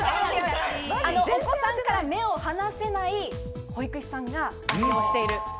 お子さんから目を離せない保育士さんが愛用している。